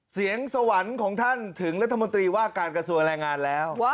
เสียงสวรรค์ของท่านถึงรัฐมนตรีว่าการกระทรวงแรงงานแล้ว